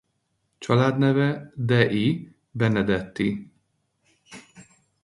Családneve dei Benedetti.